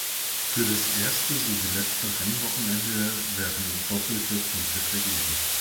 Für das erste sowie letzte Rennwochenende werden doppelte Punkte vergeben.